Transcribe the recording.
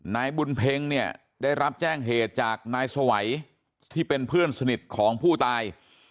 นายบุญเพ็งเนี่ยได้รับแจ้งเหตุจากนายสวัยที่เป็นเพื่อนสนิทของผู้ตาย